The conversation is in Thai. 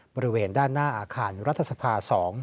บริเวณด้านหน้าอาคารรัฐสภา๒